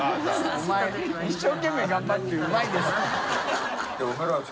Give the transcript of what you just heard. お前一生懸命頑張って「ウマいです」って。